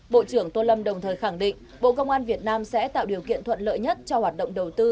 bộ trưởng tô lâm đồng thời khẳng định bộ công an việt nam sẽ tạo điều kiện thuận lợi nhất cho hoạt động đầu tư